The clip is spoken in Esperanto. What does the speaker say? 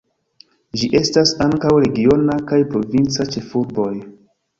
Ĝi estas ankaŭ regiona kaj provinca ĉefurboj.